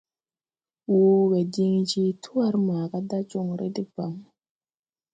Wowe din je twar maga da jonre deban.